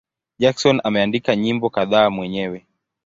Jackson ameandika nyimbo kadhaa mwenyewe.